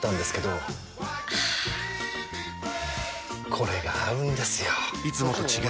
これが合うんですよ！